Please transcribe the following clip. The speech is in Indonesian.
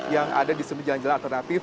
yang ada di semi jalan jalan alternatif